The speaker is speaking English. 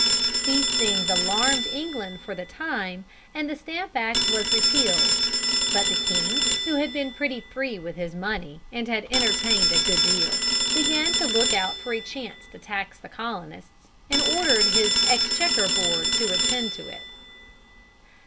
These things alarmed England for the time, and the Stamp Act was repealed; but the king, who had been pretty free with his money and had entertained a good deal, began to look out for a chance to tax the Colonists, and ordered his Exchequer Board to attend to it.